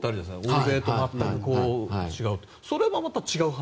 欧米と全く違う。